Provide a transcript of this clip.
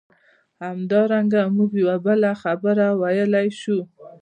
همدارنګه موږ یوه بله خبره ویلای شو.